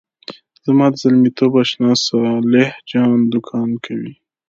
زما د زلمیتوب آشنا صالح جان دوکان کوي.